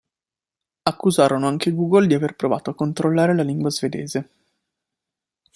Accusarono anche Google di aver provato a "controllare la lingua svedese".